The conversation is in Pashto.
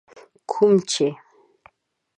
کوم چي